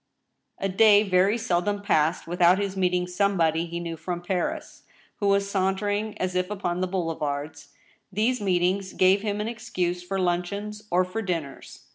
ANOTHER VERDICT. 213 A day very seldom passed without his meeting somebody he knew from Paris, who was sauntering as if upon the boulevards. These meetings gave him an excuse for luncheons or for dinners.